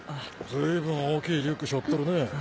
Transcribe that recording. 随分大きいリュック背負ってるね。